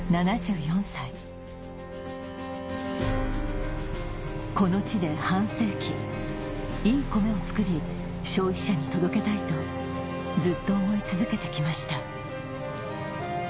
７４歳この地で半世紀いいコメを作り消費者に届けたいとずっと思い続けて来ました・